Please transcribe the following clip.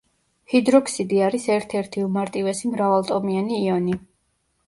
ჰიდროქსიდი არის ერთ ერთი უმარტივესი მრავალატომიანი იონი.